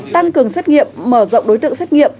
tăng cường xét nghiệm mở rộng đối tượng xét nghiệm